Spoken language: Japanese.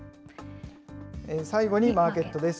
最後にマーケットです。